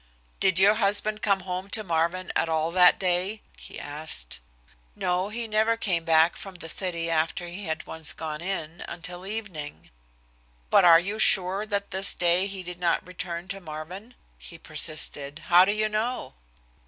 "Did your husband come home to Marvin at all that day?" he asked. "No, he never came back from the city after he had once gone in, until evening." "But are you sure that this day he did not return to Marvin?" he persisted. "How do you know?"